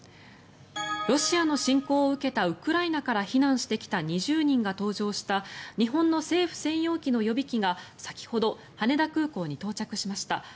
ロシアの侵攻を受けたウクライナから避難してきた２０人が搭乗した日本の政府専用機の予備機が先ほど羽田空港に到着しました。